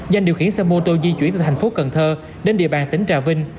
danh điều khiển xe mô tô di chuyển từ thành phố cần thơ đến địa bàn tỉnh trà vinh